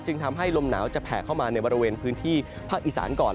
ทำให้ลมหนาวจะแผ่เข้ามาในบริเวณพื้นที่ภาคอีสานก่อน